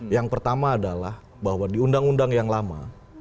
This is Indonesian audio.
yang pertama adalah bahwa di undang undang yang lama